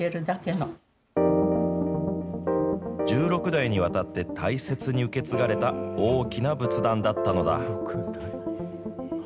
１６代にわたって、大切に受け継がれた大きな仏壇だったのだ。